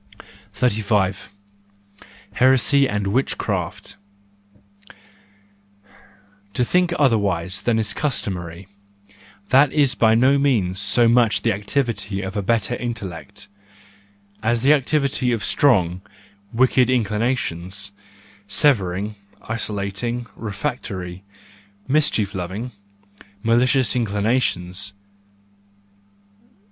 35 Heresy and Witchcraft .—To think otherwise than is customary—that is by no means so much the activity of a better intellect, as the activity of strong, wicked inclinations,—severing, isolating, refractory, mischief loving, malicious inclinations.